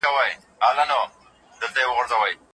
مشرانو به د ولس د حقوقو د دفاع لپاره هیڅ ډول قربانۍ نه سپموله.